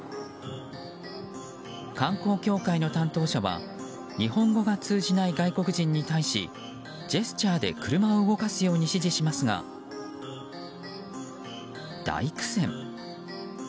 観光協会の担当者は日本語が通じない外国人に対しジェスチャーで車を動かすように指示しますが大苦戦。